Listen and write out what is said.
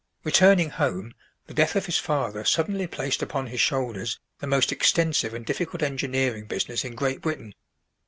Returning home, the death of his father suddenly placed upon his shoulders the most extensive and difficult engineering business in Great Britain.